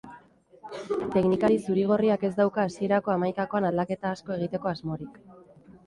Teknikari zuri-gorriak ez dauka hasierako hamaikakoan aldaketa asko egiteko asmorik.